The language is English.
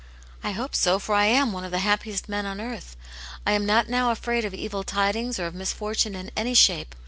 " I hope so, for I am one of the happiest men on earth. I am not now afraid of evil tidings or of mis fortune in any shape.